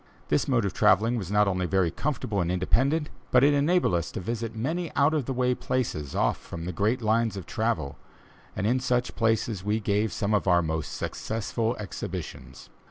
This mode of travelling was not only very comfortable and independent, but it enabled us to visit many out of the way places, off from the great lines of travel, and in such places we gave some of our most successful exhibitions.